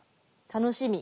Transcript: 楽しみ。